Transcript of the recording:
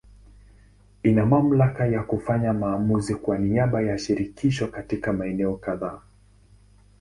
Ina mamlaka ya kufanya maamuzi kwa niaba ya Shirikisho katika maeneo kadhaa.